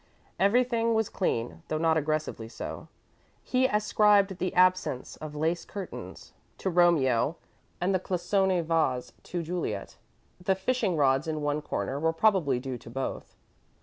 Everything was clean, though not aggressively so. He ascribed the absence of lace curtains to Romeo and the Cloisonne vase to Juliet. The fishing rods in one corner were probably due to both.